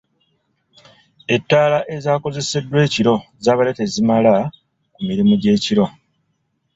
Ettaala ezaakozeseddwa ekiro zaabadde tezimala ku mirimu gy'ekiro.